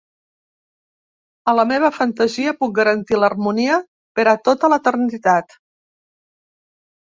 A la meva fantasia, puc garantir l'harmonia per a tota l'eternitat.